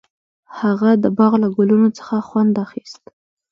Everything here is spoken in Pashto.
هغه د باغ له ګلونو څخه خوند اخیست.